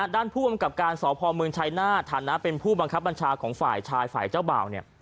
ผู้อำกับการสพเมืองชัยหน้าฐานะเป็นผู้บังคับบัญชาของฝ่ายชายฝ่ายเจ้าบ่าวเนี่ย